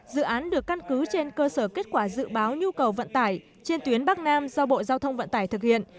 dự án được căn cứ trên cơ sở kết quả dự báo nhu cầu vận tải trên tuyến bắc nam do bộ giao thông vận tải thực hiện